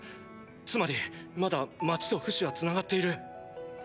つまりまだ街とフシは繋がっている。